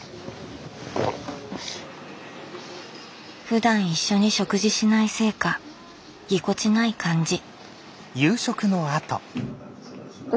ふだん一緒に食事しないせいかぎこちない感じ。